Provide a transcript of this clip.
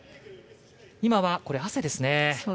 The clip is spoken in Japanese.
今は汗ですね。